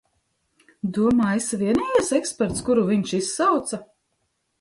Domā, esi vienīgais eksperts, kuru viņš izsauca?